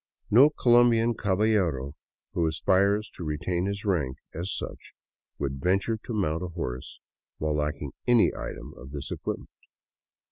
No Colombian caballero who aspires to retain his rank as such would venture to mount a horse while lacking any item of this equipment.